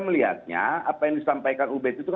melihatnya apa yang disampaikan ubed itu